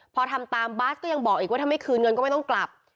พอทำตามบาสก็ยังบอกอีกว่าถ้าไม่คืนเงินก็ไม่ต้องกลับ